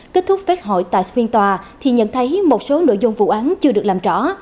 kết thúc phát hội tại phiên tòa thì nhận thấy một số nội dung vụ án chưa được làm rõ